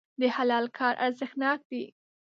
د حلال کار ارزښتناک دی.